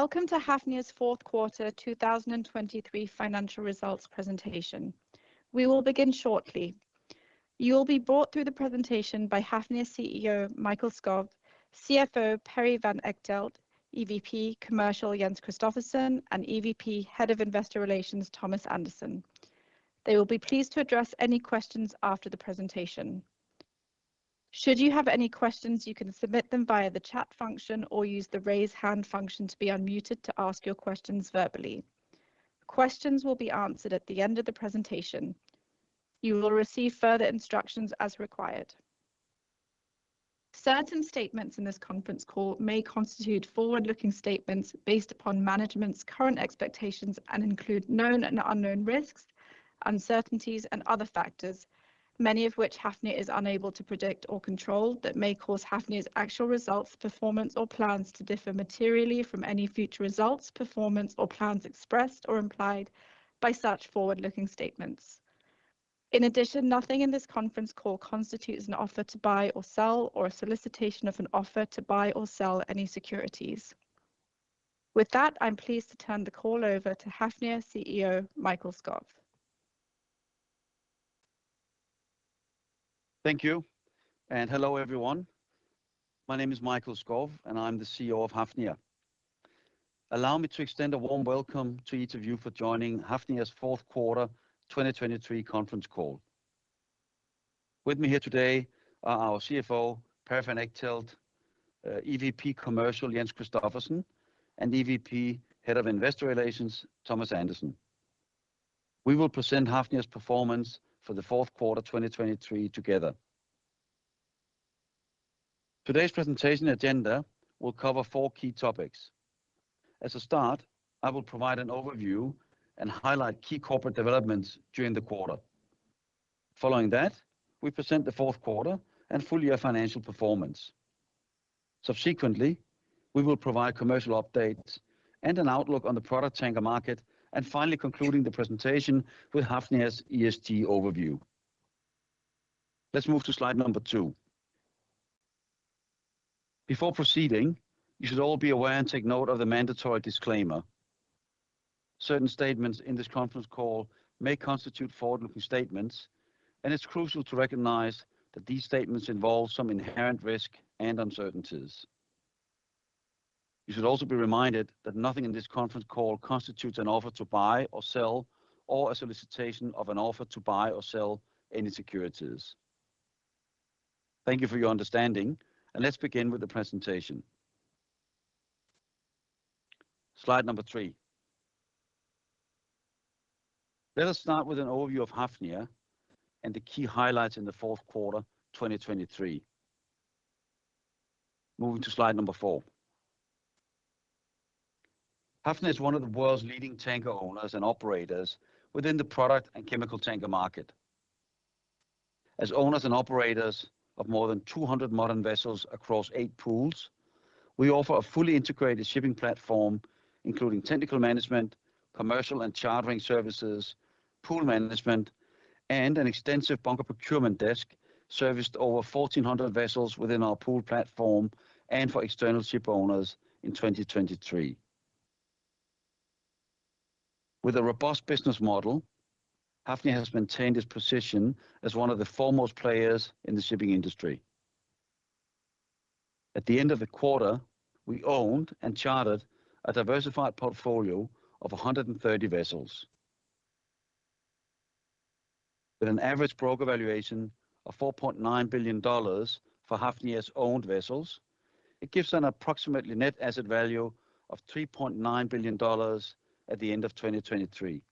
Welcome to Hafnia's fourth quarter 2023 financial results presentation. We will begin shortly. You will be brought through the presentation by Hafnia CEO Mikael Skov, CFO Perry van Echtelt, EVP commercial Jens Christophersen, and EVP head of investor relations Thomas Andersen. They will be pleased to address any questions after the presentation. Should you have any questions, you can submit them via the chat function or use the raise hand function to be unmuted to ask your questions verbally. Questions will be answered at the end of the presentation. You will receive further instructions as required. Certain statements in this conference call may constitute forward-looking statements based upon management's current expectations and include known and unknown risks, uncertainties, and other factors, many of which Hafnia is unable to predict or control that may cause Hafnia's actual results, performance, or plans to differ materially from any future results, performance, or plans expressed or implied by such forward-looking statements. In addition, nothing in this conference call constitutes an offer to buy or sell or a solicitation of an offer to buy or sell any securities. With that, I'm pleased to turn the call over to Hafnia CEO Mikael Skov. Thank you, and hello everyone. My name is Mikael Skov, and I'm the CEO of Hafnia. Allow me to extend a warm welcome to each of you for joining Hafnia's fourth quarter 2023 conference call. With me here today are our CFO Perry van Echtelt, EVP commercial Jens Christophersen, and EVP head of investor relations Thomas Andersen. We will present Hafnia's performance for the fourth quarter 2023 together. Today's presentation agenda will cover four key topics. As a start, I will provide an overview and highlight key corporate developments during the quarter. Following that, we present the fourth quarter and full-year financial performance. Subsequently, we will provide commercial updates and an outlook on the product tank market, and finally concluding the presentation with Hafnia's ESG overview. Let's move to slide number two. Before proceeding, you should all be aware and take note of the mandatory disclaimer. Certain statements in this conference call may constitute forward-looking statements, and it's crucial to recognize that these statements involve some inherent risk and uncertainties. You should also be reminded that nothing in this conference call constitutes an offer to buy or sell or a solicitation of an offer to buy or sell any securities. Thank you for your understanding, and let's begin with the presentation. Slide number three. Let us start with an overview of Hafnia and the key highlights in the fourth quarter 2023. Moving to slide number four. Hafnia is one of the world's leading tanker owners and operators within the product and chemical tanker market. As owners and operators of more than 200 modern vessels across eight pools, we offer a fully integrated shipping platform including technical management, commercial and chartering services, pool management, and an extensive bunker procurement desk serviced over 1,400 vessels within our pool platform and for external ship owners in 2023. With a robust business model, Hafnia has maintained its position as one of the foremost players in the shipping industry. At the end of the quarter, we owned and chartered a diversified portfolio of 130 vessels. With an average broker valuation of $4.9 billion for Hafnia's owned vessels, it gives an approximately net asset value of $3.9 billion at the end of 2023.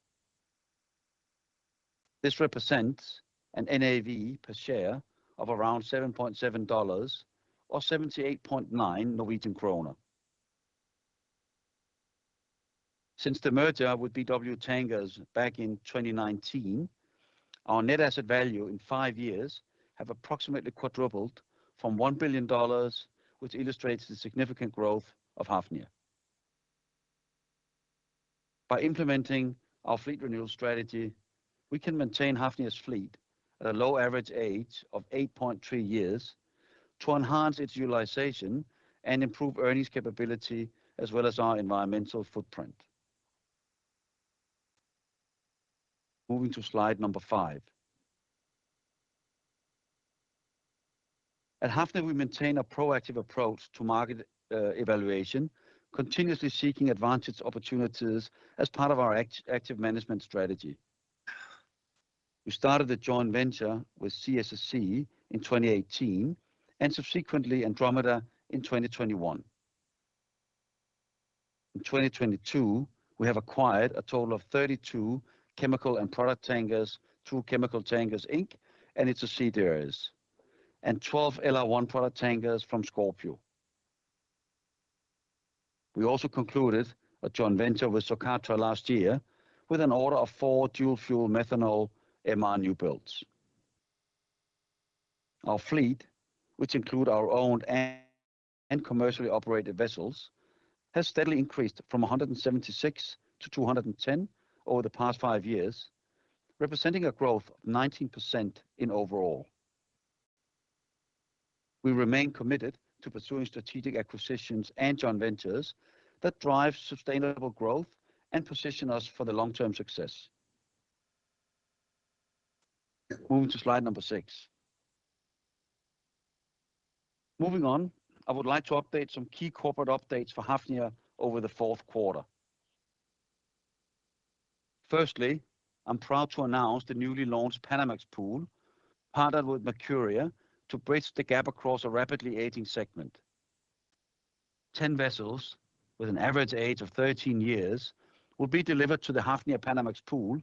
This represents an NAV per share of around $7.7 or NOK 78.9. Since the merger with BW Tankers back in 2019, our net asset value in five years has approximately quadrupled from $1 billion, which illustrates the significant growth of Hafnia. By implementing our fleet renewal strategy, we can maintain Hafnia's fleet at a low average age of eight point three years to enhance its utilization and improve earnings capability as well as our environmental footprint. Moving to slide number five. At Hafnia, we maintain a proactive approach to market evaluation, continuously seeking advantaged opportunities as part of our active management strategy. We started the joint venture with CSSC in 2018 and subsequently Andromeda in 2021. In 2022, we have acquired a total of 32 chemical and product tankers, two Chemical Tankers Inc., and its associated areas, and 12 LR1 product tankers from Scorpio Tankers. We also concluded a joint venture with Socatra last year with an order of four dual-fuel methanol MR new builds. Our fleet, which includes our owned and commercially operated vessels, has steadily increased from 176 to 210 over the past five years, representing a growth of 19% in overall. We remain committed to pursuing strategic acquisitions and joint ventures that drive sustainable growth and position us for the long-term success. Moving to slide number six. Moving on, I would like to update some key corporate updates for Hafnia over the fourth quarter. Firstly, I'm proud to announce the newly launched Panamax pool, partnered with Mercuria, to bridge the gap across a rapidly aging segment. 10 vessels with an average age of 13 years will be delivered to the Hafnia Panamax pool,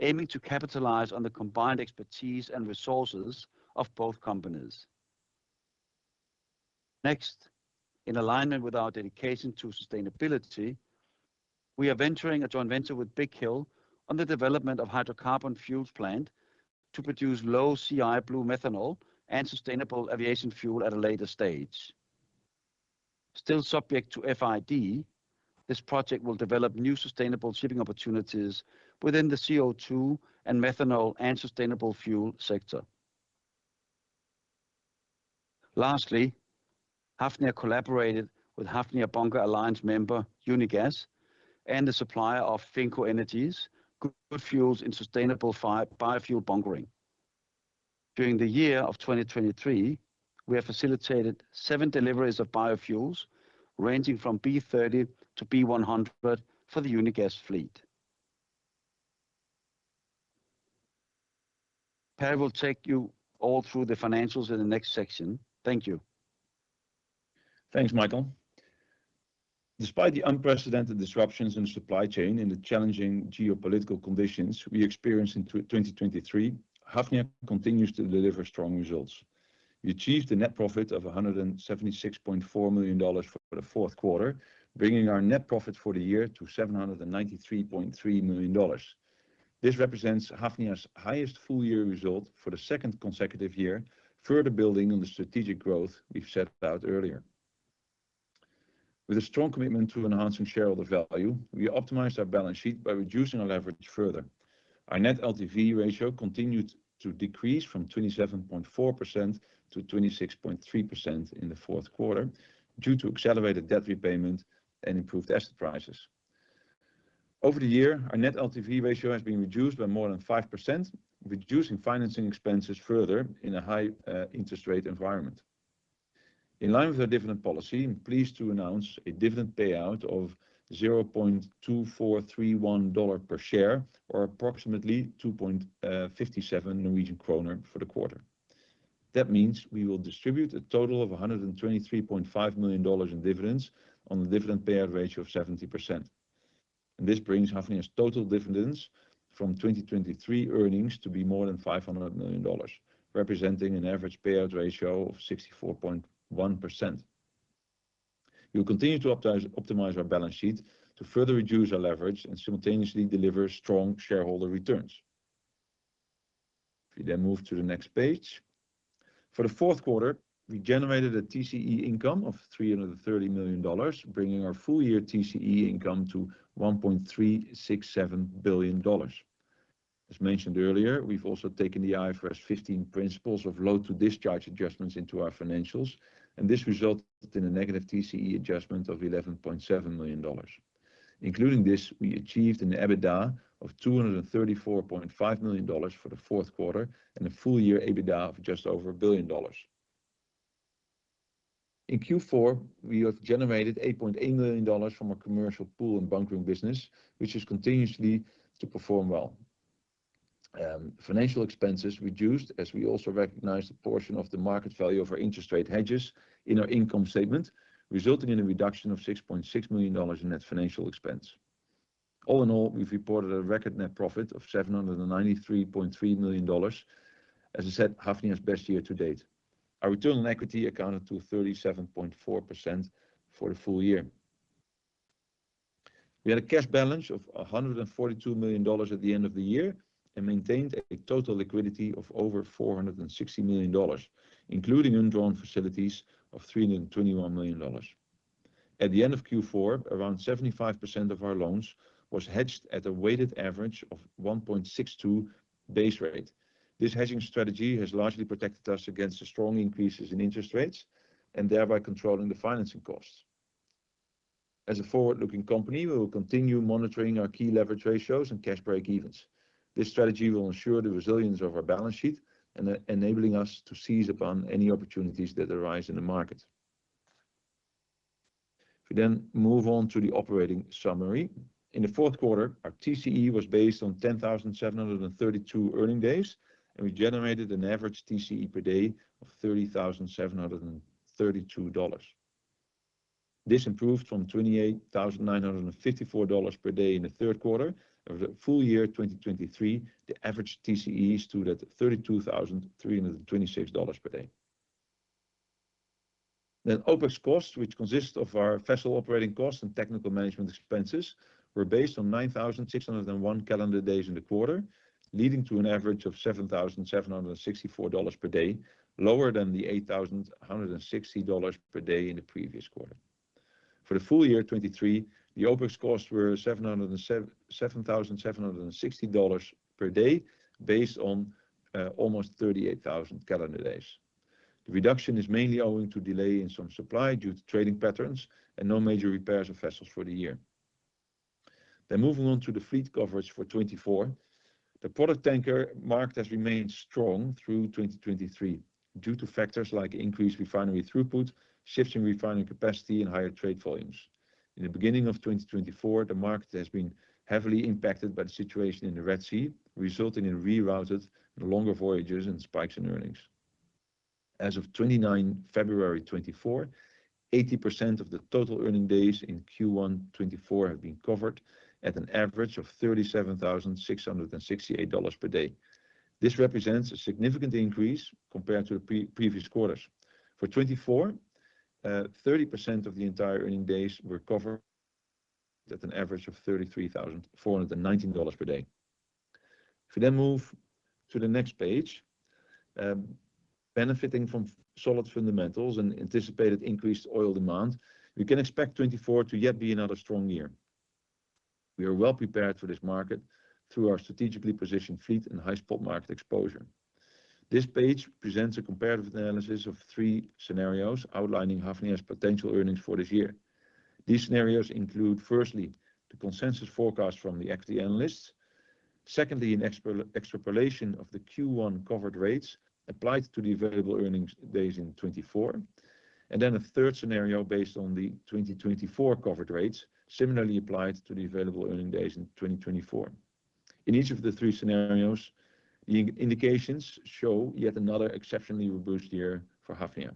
aiming to capitalize on the combined expertise and resources of both companies. Next, in alignment with our dedication to sustainability, we are venturing a joint venture with Big Hill on the development of hydrocarbon fuel plant to produce low CI blue methanol and sustainable aviation fuel at a later stage. Still subject to FID, this project will develop new sustainable shipping opportunities within the CO2 and methanol and sustainable fuel sector. Lastly, Hafnia collaborated with Hafnia Bunker Alliance member Unigas and the supplier of FincoEnergies, GoodFuels in sustainable biofuel bunkering. During the year of 2023, we have facilitated seven deliveries of biofuels ranging from B30 to B100 for the Unigas fleet. Perry will take you all through the financials in the next section. Thank you. Thanks, Michael. Despite the unprecedented disruptions in the supply chain and the challenging geopolitical conditions we experienced in 2023, Hafnia continues to deliver strong results. We achieved a net profit of $176.4 million for the fourth quarter, bringing our net profit for the year to $793.3 million. This represents Hafnia's highest full-year result for the second consecutive year, further building on the strategic growth we've set out earlier. With a strong commitment to enhancing shareholder value, we optimized our balance sheet by reducing our leverage further. Our net LTV ratio continued to decrease from 27.4% to 26.3% in the fourth quarter due to accelerated debt repayment and improved asset prices. Over the year, our net LTV ratio has been reduced by more than 5%, reducing financing expenses further in a high-interest-rate environment. In line with our dividend policy, I'm pleased to announce a dividend payout of $0.2431 per share or approximately 2.57 Norwegian kroner for the quarter. That means we will distribute a total of $123.5 million in dividends on a dividend payout ratio of 70%. And this brings Hafnia's total dividends from 2023 earnings to be more than $500 million, representing an average payout ratio of 64.1%. We will continue to optimize our balance sheet to further reduce our leverage and simultaneously deliver strong shareholder returns. If you then move to the next page. For the fourth quarter, we generated a TCE income of $330 million, bringing our full-year TCE income to $1.367 billion. As mentioned earlier, we've also taken the IFRS 15 principles of load-to-discharge adjustments into our financials, and this resulted in a negative TCE adjustment of $11.7 million. Including this, we achieved an EBITDA of $234.5 million for the fourth quarter and a full-year EBITDA of just over $1 billion. In Q4, we have generated $8.8 million from our commercial pool and bunkering business, which continues to perform well. Financial expenses reduced as we also recognized a portion of the market value of our interest rate hedges in our income statement, resulting in a reduction of $6.6 million in net financial expense. All in all, we've reported a record net profit of $793.3 million. As I said, Hafnia's best year to date. Our return on equity amounted to 37.4% for the full-year. We had a cash balance of $142 million at the end of the year and maintained a total liquidity of over $460 million, including undrawn facilities of $321 million. At the end of Q4, around 75% of our loans was hedged at a weighted average of 1.62 base rate. This hedging strategy has largely protected us against the strong increases in interest rates and thereby controlling the financing costs. As a forward-looking company, we will continue monitoring our key leverage ratios and cash breakevens. This strategy will ensure the resilience of our balance sheet and enabling us to seize upon any opportunities that arise in the market. If we then move on to the operating summary. In the fourth quarter, our TCE was based on 10,732 earning days, and we generated an average TCE per day of $30,732. This improved from $28,954 per day in the third quarter. Over the full year 2023, the average TCE stood at $32,326 per day. Then OPEX costs, which consist of our vessel operating costs and technical management expenses, were based on 9,601 calendar days in the quarter, leading to an average of $7,764 per day, lower than the $8,160 per day in the previous quarter. For the full-year 2023, the OPEX costs were $7,760 per day based on almost 38,000 calendar days. The reduction is mainly owing to delay in some supply due to trading patterns and no major repairs of vessels for the year. Then moving on to the fleet coverage for 2024. The product tanker market has remained strong through 2023 due to factors like increased refinery throughput, shifts in refinery capacity, and higher trade volumes. In the beginning of 2024, the market has been heavily impacted by the situation in the Red Sea, resulting in rerouted and longer voyages and spikes in earnings. As of 29 February 2024, 80% of the total earning days in Q1 2024 have been covered at an average of $37,668 per day. This represents a significant increase compared to the previous quarters. For 2024, 30% of the entire earning days were covered at an average of $33,419 per day. If we then move to the next page. Benefiting from solid fundamentals and anticipated increased oil demand, we can expect 2024 to yet be another strong year. We are well prepared for this market through our strategically positioned fleet and high spot market exposure. This page presents a comparative analysis of three scenarios outlining Hafnia's potential earnings for this year. These scenarios include, firstly, the consensus forecast from the equity analysts. Secondly, an extrapolation of the Q1 covered rates applied to the available earnings days in 2024. And then a third scenario based on the 2024 covered rates, similarly applied to the available earning days in 2024. In each of the three scenarios, the indications show yet another exceptionally robust year for Hafnia.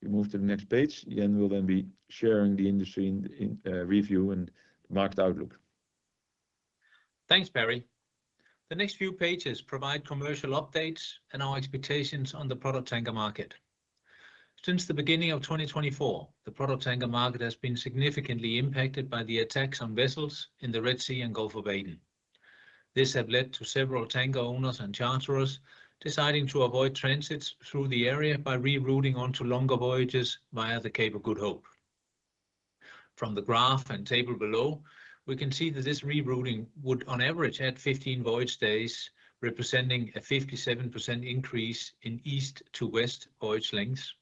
If we move to the next page, Jens will then be sharing the industry review and market outlook. Thanks, Perry. The next few pages provide commercial updates and our expectations on the product tanker market. Since the beginning of 2024, the product tanker market has been significantly impacted by the attacks on vessels in the Red Sea and Gulf of Aden. This has led to several tanker owners and charterers deciding to avoid transits through the area by rerouting onto longer voyages via the Cape of Good Hope. From the graph and table below, we can see that this rerouting would, on average, add 15 voyage days, representing a 57% increase in east-to-west voyage lengths,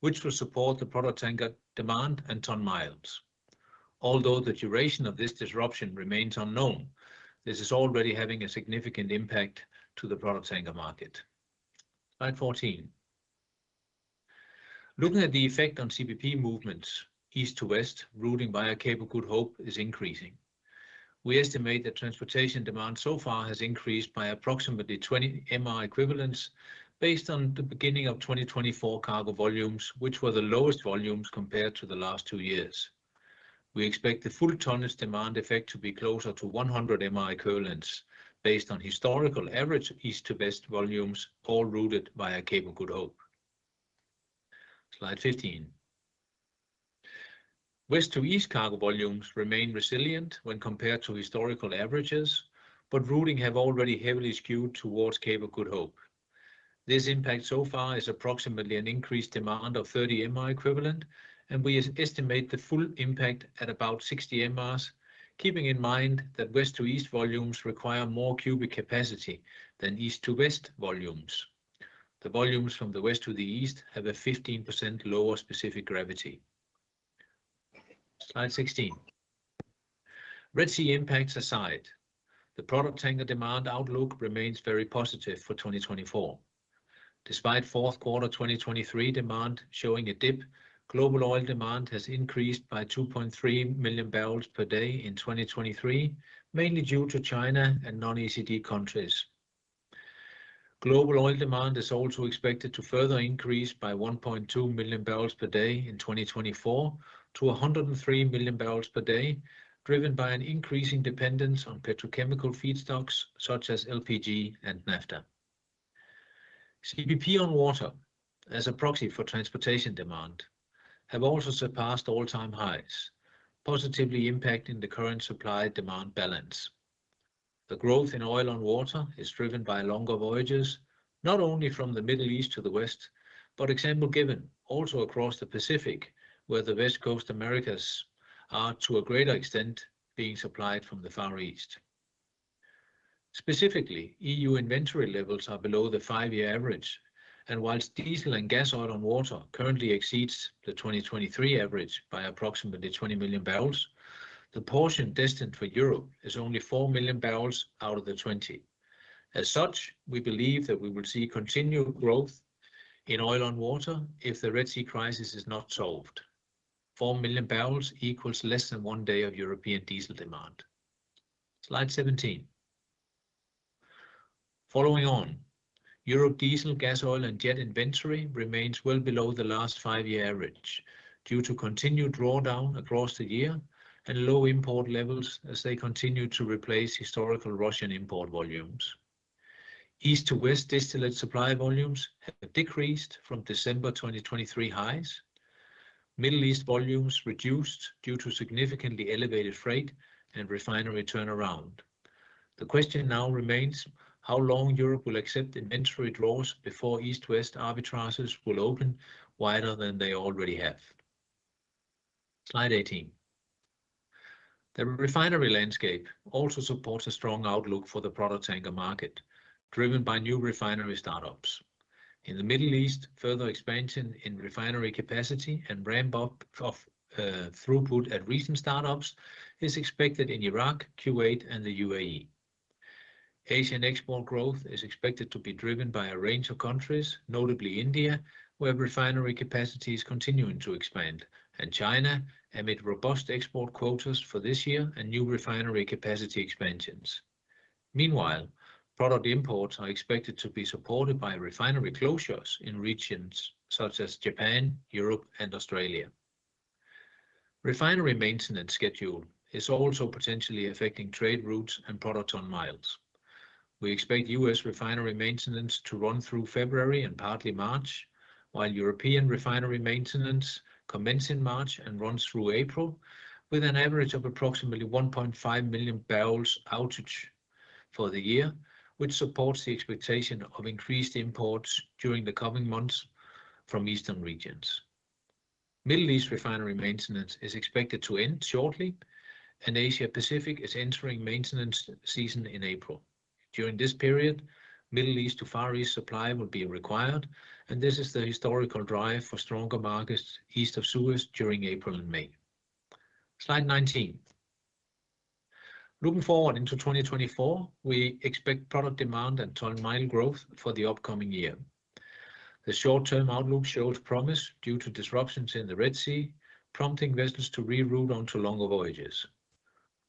which would support the product tanker demand and tonne miles. Although the duration of this disruption remains unknown, this is already having a significant impact to the product tanker market. Slide 14. Looking at the effect on CPP movements east to west, routing via Cape of Good Hope is increasing. We estimate that transportation demand so far has increased by approximately 20 MR equivalents based on the beginning of 2024 cargo volumes, which were the lowest volumes compared to the last two years. We expect the full tonnage demand effect to be closer to 100 MR equivalents based on historical average east to west volumes all routed via Cape of Good Hope. Slide 15. West to east cargo volumes remain resilient when compared to historical averages, but routing has already heavily skewed towards Cape of Good Hope. This impact so far is approximately an increased demand of 30 MR equivalent, and we estimate the full impact at about 60 MRs, keeping in mind that west to east volumes require more cubic capacity than east-to-west volumes. The volumes from the west to the east have a 15% lower specific gravity. Slide 16. Red Sea impacts aside, the product tanker demand outlook remains very positive for 2024. Despite fourth quarter 2023 demand showing a dip, global oil demand has increased by 2.3 million barrels per day in 2023, mainly due to China and non-OECD countries. Global oil demand is also expected to further increase by 1.2 million barrels per day in 2024 to 203 million barrels per day, driven by an increasing dependence on petrochemical feedstocks such as LPG and naphtha. CPP on water as a proxy for transportation demand has also surpassed all-time highs, positively impacting the current supply-demand balance. The growth in oil on water is driven by longer voyages, not only from the Middle East to the west, but, example given, also across the Pacific, where the West Coast Americas are, to a greater extent, being supplied from the Far East. Specifically, EU inventory levels are below the five-year average, and while diesel and gas oil on water currently exceeds the 2023 average by approximately 20 million barrels, the portion destined for Europe is only four million barrels out of the 20. As such, we believe that we will see continued growth in oil on water if the Red Sea crisis is not solved. four million barrels equals less than one day of European diesel demand. Slide 17. Following on, European diesel, gas oil, and jet inventory remains well below the last five-year average due to continued drawdown across the year and low import levels as they continue to replace historical Russian import volumes. East to west distillate supply volumes have decreased from December 2023 highs. Middle East volumes reduced due to significantly elevated freight and refinery turnaround. The question now remains how long Europe will accept inventory draws before east-west arbitrages will open wider than they already have. Slide 18. The refinery landscape also supports a strong outlook for the product tanker market, driven by new refinery startups. In the Middle East, further expansion in refinery capacity and ramp-up of throughput at recent startups is expected in Iraq, Kuwait, and the UAE. Asian export growth is expected to be driven by a range of countries, notably India, where refinery capacity is continuing to expand, and China with robust export quotas for this year and new refinery capacity expansions. Meanwhile, product imports are expected to be supported by refinery closures in regions such as Japan, Europe, and Australia. Refinery maintenance schedule is also potentially affecting trade routes and product tonne miles. We expect U.S. refinery maintenance to run through February and partly March, while European refinery maintenance commences in March and runs through April with an average of approximately 1.5 million barrels outage for the year, which supports the expectation of increased imports during the coming months from eastern regions. Middle East refinery maintenance is expected to end shortly, and Asia-Pacific is entering maintenance season in April. During this period, Middle East to Far East supply will be required, and this is the historical drive for stronger markets east of Suez during April and May. Slide 19. Looking forward into 2024, we expect product demand and tonne mile growth for the upcoming year. The short-term outlook shows promise due to disruptions in the Red Sea, prompting vessels to reroute onto longer voyages.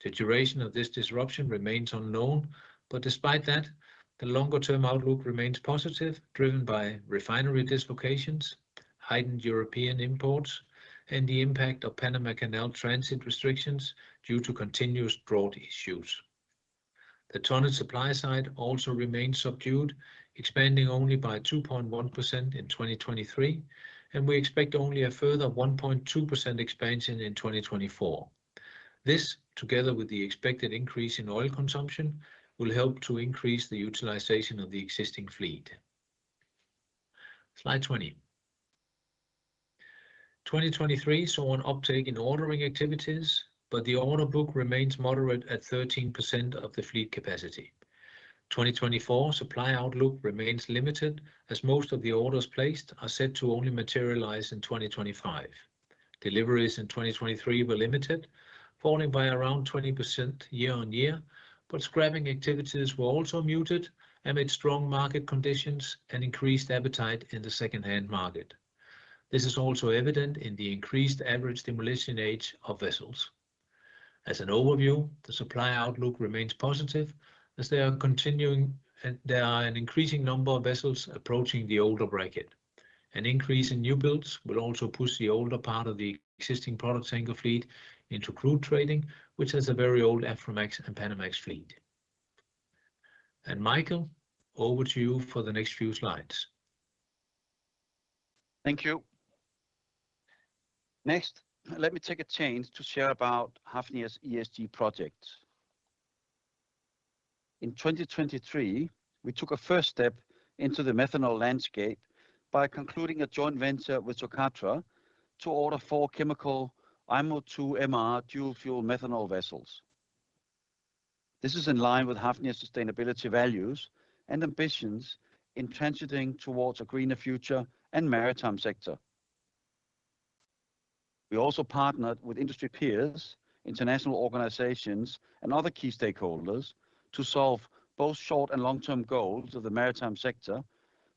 The duration of this disruption remains unknown, but despite that, the longer-term outlook remains positive, driven by refinery dislocations, heightened European imports, and the impact of Panama Canal transit restrictions due to continuous drought issues. The tonne supply side also remains subdued, expanding only by 2.1% in 2023, and we expect only a further 1.2% expansion in 2024. This, together with the expected increase in oil consumption, will help to increase the utilization of the existing fleet. Slide 20. 2023 saw an uptake in ordering activities, but the order book remains moderate at 13% of the fleet capacity. 2024 supply outlook remains limited as most of the orders placed are set to only materialize in 2025. Deliveries in 2023 were limited, falling by around 20% year-over-year, but scrapping activities were also muted, amid strong market conditions and increased appetite in the second-hand market. This is also evident in the increased average demolition age of vessels. As an overview, the supply outlook remains positive as there are an increasing number of vessels approaching the older bracket. An increase in new builds will also push the older part of the existing product tanker fleet into crude trading, which has a very old Aframax and Panamax fleet. Mikael, over to you for the next few slides. Thank you. Next, let me take a chance to share about Hafnia's ESG projects. In 2023, we took a first step into the methanol landscape by concluding a joint venture with Socatra to order four chemical IMO 2 MR dual-fuel methanol vessels. This is in line with Hafnia's sustainability values and ambitions in transiting towards a greener future and maritime sector. We also partnered with industry peers, international organizations, and other key stakeholders to solve both short and long-term goals of the maritime sector,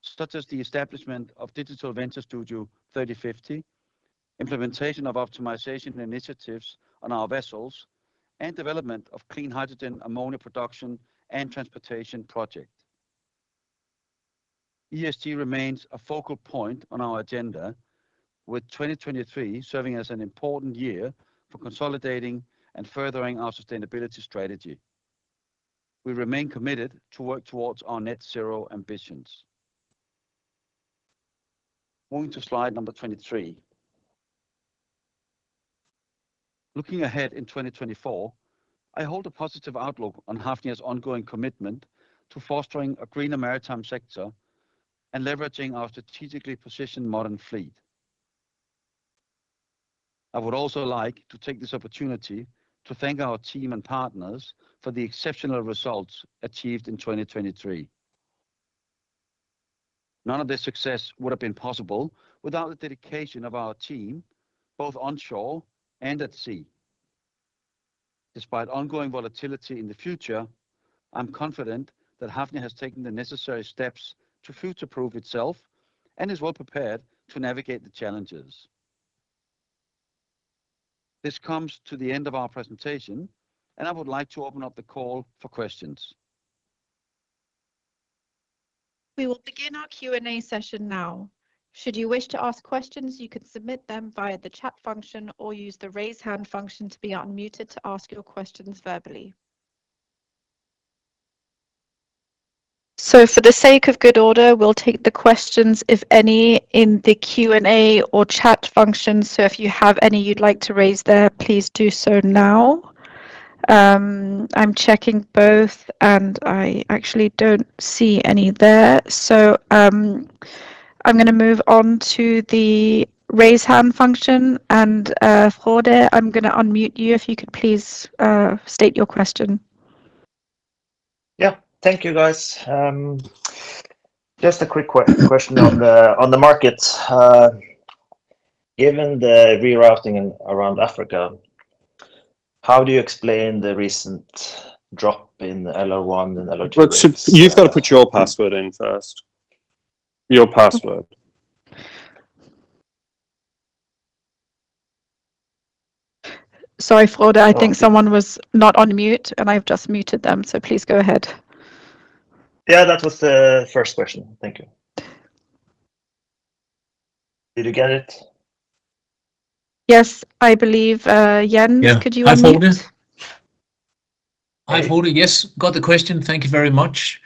such as the establishment of digital venture Studio 30 50, implementation of optimization initiatives on our vessels, and development of clean hydrogen ammonia production and transportation project. ESG remains a focal point on our agenda, with 2023 serving as an important year for consolidating and furthering our sustainability strategy. We remain committed to work towards our net zero ambitions. Moving to slide number 23. Looking ahead in 2024, I hold a positive outlook on Hafnia's ongoing commitment to fostering a greener maritime sector and leveraging our strategically positioned modern fleet. I would also like to take this opportunity to thank our team and partners for the exceptional results achieved in 2023. None of this success would have been possible without the dedication of our team, both onshore and at sea. Despite ongoing volatility in the future, I'm confident that Hafnia has taken the necessary steps to future-proof itself and is well prepared to navigate the challenges. This comes to the end of our presentation, and I would like to open up the call for questions. We will begin our Q&A session now. Should you wish to ask questions, you can submit them via the chat function or use the raise hand function to be unmuted to ask your questions verbally. So for the sake of good order, we'll take the questions, if any, in the Q&A or chat function. So if you have any you'd like to raise there, please do so now. I'm checking both, and I actually don't see any there. So I'm going to move on to the raise hand function. And Frode, I'm going to unmute you. If you could please state your question. Yeah. Thank you, guys. Just a quick question on the markets. Given the rerouting around Africa, how do you explain the recent drop in LR1 and LR2? But you've got to put your password in first. Your password. Sorry, Frode. I think someone was not on mute, and I've just muted them. So please go ahead. Yeah, that was the first question. Thank you. Did you get it? Yes, I believe. Jens, could you unmute? Hi, Frode. Hi, Frode. Yes, got the question. Thank you very much.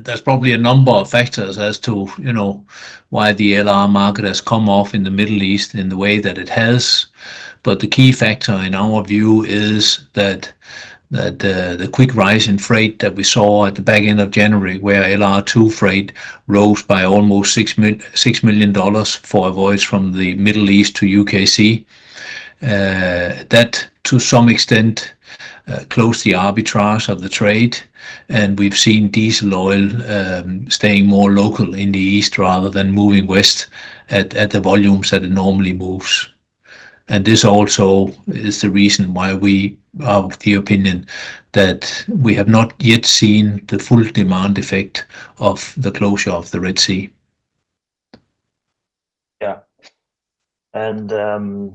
There's probably a number of factors as to why the LR market has come off in the Middle East in the way that it has. The key factor, in our view, is that the quick rise in freight that we saw at the back end of January, where LR2 freight rose by almost $6 million for a voyage from the Middle East to UKC, that, to some extent, closed the arbitrage of the trade. We've seen diesel oil staying more local in the east rather than moving west at the volumes that it normally moves. This also is the reason why we are of the opinion that we have not yet seen the full demand effect of the closure of the Red Sea. Yeah. And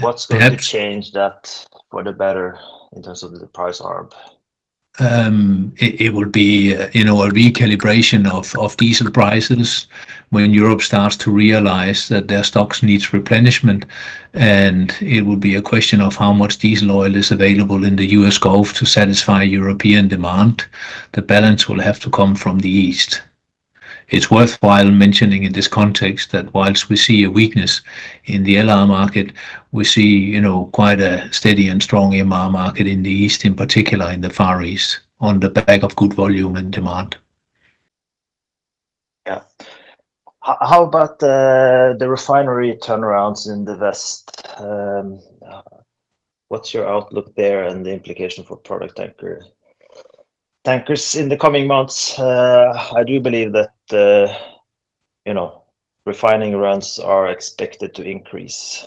what's going to change that for the better in terms of the price arb? It will be a recalibration of diesel prices when Europe starts to realize that their stocks need replenishment. It will be a question of how much diesel oil is available in the U.S. Gulf to satisfy European demand. The balance will have to come from the east. It's worthwhile mentioning in this context that whilst we see a weakness in the LR market, we see quite a steady and strong MR market in the east, in particular in the Far East, on the back of good volume and demand. Yeah. How about the refinery turnarounds in the west? What's your outlook there and the implication for product tankers in the coming months? I do believe that refining runs are expected to increase,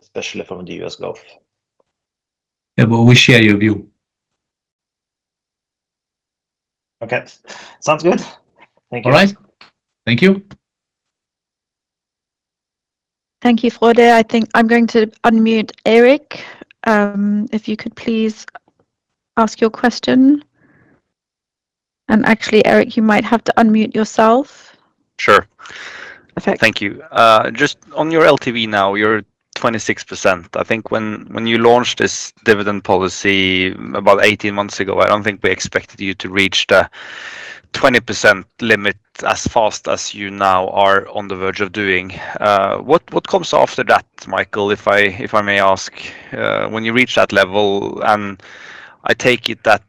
especially from the U.S. Gulf. Yeah, well, we share your view. Okay. Sounds good. Thank you. All right. Thank you. Thank you, Frode. I'm going to unmute Eirik. If you could please ask your question. And actually, Eirik, you might have to unmute yourself. Sure. Thank you. Just on your LTV now, you're 26%. I think when you launched this dividend policy about 18 months ago, I don't think we expected you to reach the 20% limit as fast as you now are on the verge of doing. What comes after that, Mikael, if I may ask? When you reach that level, and I take it that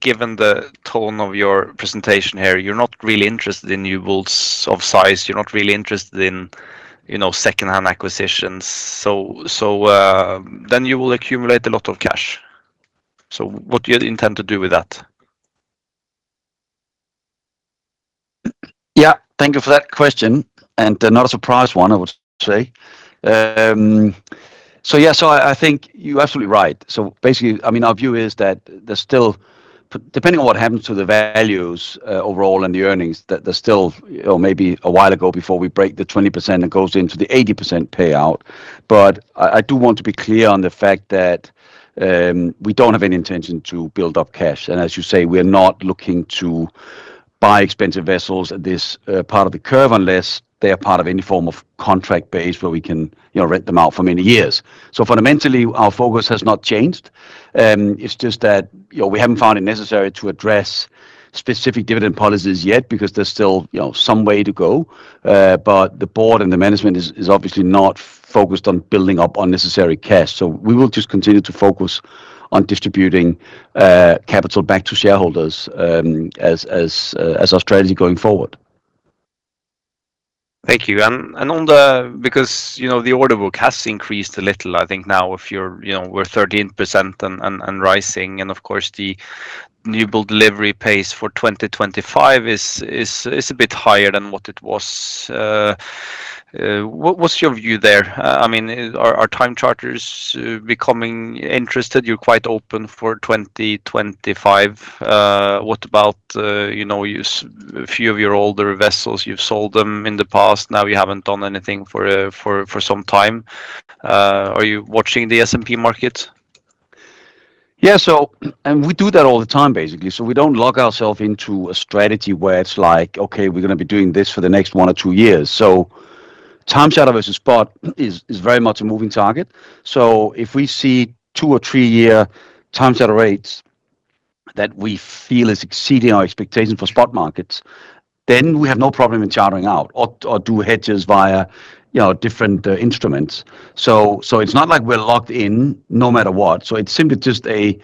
given the tone of your presentation here, you're not really interested in new builds of size. You're not really interested in second-hand acquisitions. So then you will accumulate a lot of cash. So what do you intend to do with that? Yeah. Thank you for that question. Not a surprise one, I would say. So yeah, so I think you're absolutely right. So basically, I mean, our view is that there's still, depending on what happens to the values overall and the earnings, maybe a while to go before we break the 20% and go into the 80% payout. But I do want to be clear on the fact that we don't have any intention to build up cash. And as you say, we are not looking to buy expensive vessels at this part of the curve unless they are part of any form of contract base where we can rent them out for many years. So fundamentally, our focus has not changed. It's just that we haven't found it necessary to address specific dividend policies yet because there's still some way to go. But the board and the management is obviously not focused on building up unnecessary cash. So we will just continue to focus on distributing capital back to shareholders as our strategy going forward. Thank you. Because the order book has increased a little, I think now we're 13% and rising. Of course, the new build delivery pace for 2025 is a bit higher than what it was. What's your view there? I mean, are time charters becoming interested? You're quite open for 2025. What about a few of your older vessels? You've sold them in the past. Now you haven't done anything for some time. Are you watching the S&P market? Yeah. And we do that all the time, basically. So we don't lock ourselves into a strategy where it's like, "Okay, we're going to be doing this for the next one or two years." So time charter versus spot is very much a moving target. So if we see two- or three-year time charter rates that we feel is exceeding our expectations for spot markets, then we have no problem in chartering out or do hedges via different instruments. So it's not like we're locked in no matter what. So it's simply just a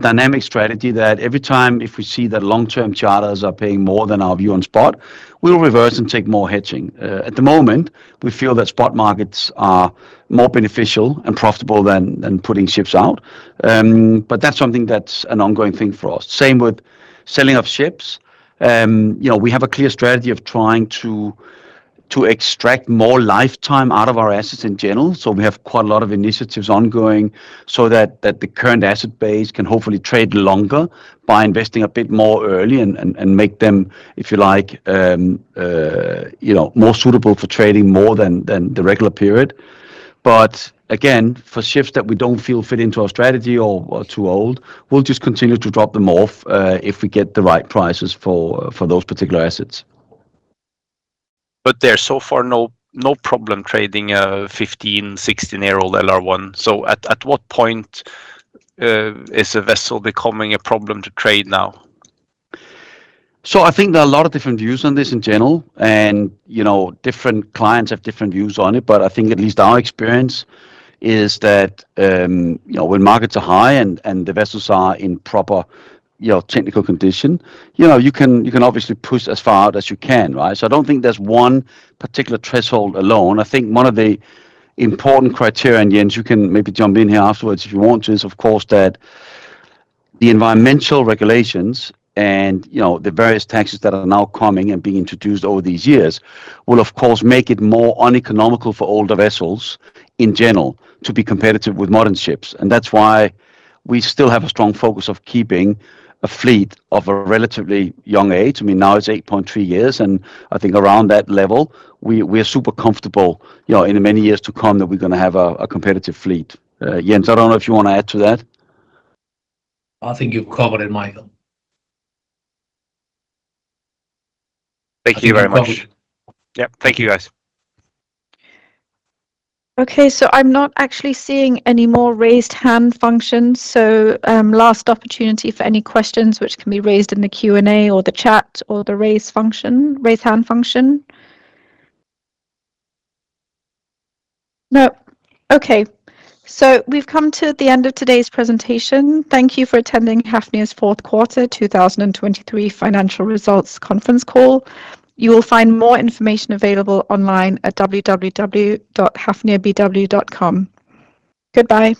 dynamic strategy that every time if we see that long-term charters are paying more than our view on spot, we'll reverse and take more hedging. At the moment, we feel that spot markets are more beneficial and profitable than putting ships out. But that's something that's an ongoing thing for us. Same with selling off ships. We have a clear strategy of trying to extract more lifetime out of our assets in general. So we have quite a lot of initiatives ongoing so that the current asset base can hopefully trade longer by investing a bit more early and make them, if you like, more suitable for trading more than the regular period. But again, for ships that we don't feel fit into our strategy or too old, we'll just continue to drop them off if we get the right prices for those particular assets. There's so far no problem trading a 15-16-year-old LR1. At what point is a vessel becoming a problem to trade now? So I think there are a lot of different views on this in general. And different clients have different views on it. But I think at least our experience is that when markets are high and the vessels are in proper technical condition, you can obviously push as far out as you can, right? So I don't think there's one particular threshold alone. I think one of the important criteria and Jens, you can maybe jump in here afterwards if you want to, is, of course, that the environmental regulations and the various taxes that are now coming and being introduced over these years will, of course, make it more uneconomical for older vessels in general to be competitive with modern ships. And that's why we still have a strong focus of keeping a fleet of a relatively young age. I mean, now it's eight point three years. I think around that level, we are super comfortable in many years to come that we're going to have a competitive fleet. Jens, I don't know if you want to add to that. I think you've covered it, Mikael. Thank you very much. Yeah. Thank you, guys. Okay. So I'm not actually seeing any more raised hand functions. So last opportunity for any questions, which can be raised in the Q&A or the chat or the raise hand function. Nope. Okay. So we've come to the end of today's presentation. Thank you for attending Hafnia's fourth quarter 2023 financial results conference call. You will find more information available online at www.hafniabw.com. Goodbye.